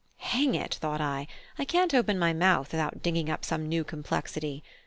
Hang it! thought I, I can't open my mouth without digging up some new complexity.